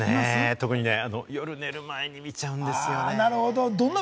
特に夜寝る前に見ちゃうんですよね。